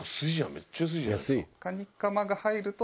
めっちゃ安いじゃん。